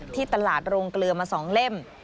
ที่ตลาดโรงเกลือมา๒เล่ม